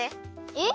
え？